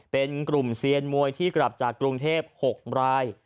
เป็นกลุ่มเซียนมวยที่กลับจากกรุงเทพ๖ราย